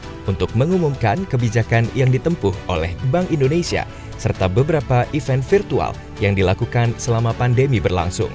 youtube dan dukungan berlangganan sekaligus dalam seminggu buat mengumumkan kebijakan yang ditempuh oleh bank indonesia serta beberapa event virtual yang dilakukan selama pandemi berlangsung